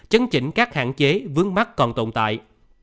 chấn chỉnh các hạn chế vướng mắt còn tồn tại